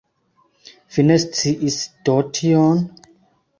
Vi ne sciis do tion?